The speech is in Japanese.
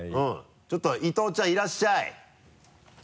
ちょっと伊東ちゃんいらっしゃい！